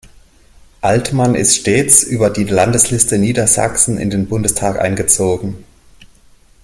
Altmann ist stets über die Landesliste Niedersachsen in den Bundestag eingezogen.